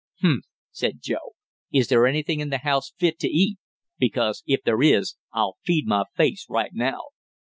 "Humph!" said Joe. "Is there anything in the house fit to eat? Because if there is, I'll feed my face right now!"